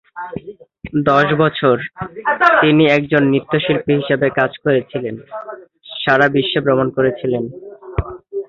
দশ বছর, তিনি একজন নৃত্যশিল্পী হিসাবে কাজ করেছিলেন, সারা বিশ্বে ভ্রমণ করেছিলেন।